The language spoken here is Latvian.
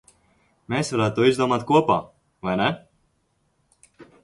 Mēs varētu to izdomāt kopā, vai ne?